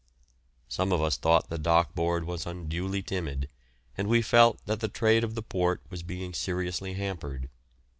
Some of us thought the Dock Board was unduly timid, and we felt that the trade of the port was being seriously hampered.